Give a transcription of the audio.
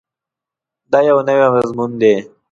دا یو نوی مضمون دی.